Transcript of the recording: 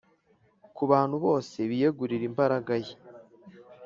. Ku bantu bose biyegurira imbaraga ye